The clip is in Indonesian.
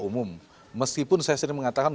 umum meskipun saya sering mengatakan